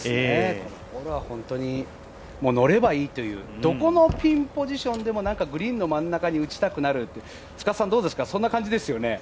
これは本当に乗ればいいという、どこのピンポジションでもグリーンの真ん中に打ちたくなるそんな感じですよね。